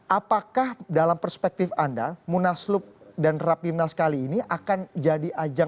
apakah dalam perspektif anda munaslup dan rapimnas kali ini akan jadi ajang